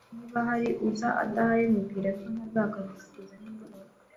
Niba hari uza adahari, mubwire ko ntazagaruka kugeza nimugoroba.